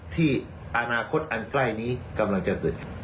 ที่อนาคตอันใกล้นี้กำลังจะเกิดขึ้น